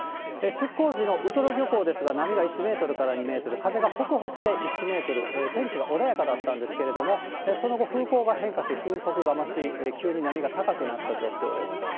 出航時のウトロ漁港ですが、波が１メートルから２メートル、風が北北西１メートル、天気が穏やかだったんですけれども、その後、風向が変化し、風速が増し、急に波が高くなった状況です。